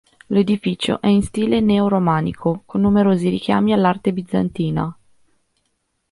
L'edificio è in stile neoromanico, con numerosi richiami all'arte bizantina.